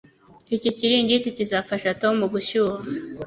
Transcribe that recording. Iki kiringiti kizafasha Tom gushyuha.